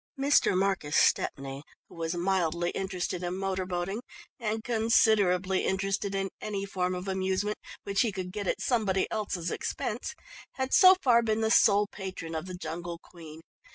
Mr. Marcus Stepney, who was mildly interested in motor boating, and considerably interested in any form of amusement which he could get at somebody else's expense, had so far been the sole patron of the Jungle Queen.